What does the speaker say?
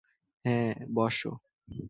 হ্যাঁঁ, বসো।